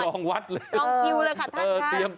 จองกิวเลยค่ะท่านค่ะ